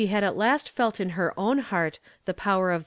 had at last felt in her own heart the power of